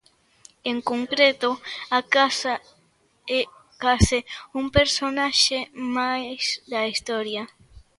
En concreto, a casa é case un personaxe máis da historia.